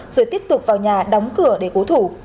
rồi tiếp tục vào nhà đóng cửa để cố thủ